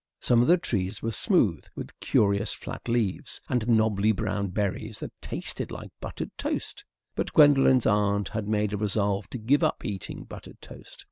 Some of the trees were smooth, with curious flat leaves and knobbly brown berries that tasted like buttered toast. But Gwendolen's aunt had made a resolve to give up eating buttered toast.